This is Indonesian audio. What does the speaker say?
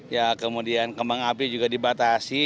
ya kemudian kembang api juga dibatasi